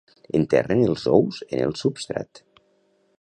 Enterren els ous en el substrat.